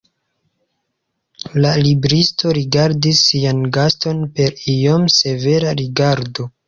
La libristo rigardis sian gaston per iom severa rigardo.